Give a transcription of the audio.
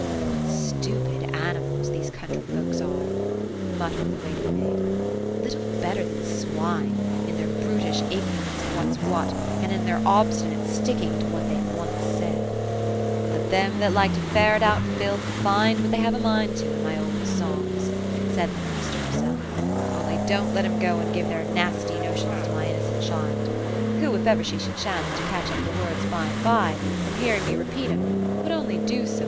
^ What stupid animals these country folks are !" muttered the w:iit ing maid ;*^ little better than swine, in their brutish ignorance of what's what, and in their obstinate sticking to what they've once said." 190 OPHELIA ;" Let them that like to ferret out filth, find what thej have a mind to, in my old songs;" said the nurse to herself; ^* only don't let 'cm gc And give their nasty notions to my innocent child ; who. if ever she should chance to catch up the words by and by, from hearing me repeat 'cm, would only do so.